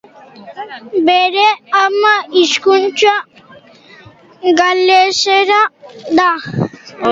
Bere ama hizkuntza galesera da.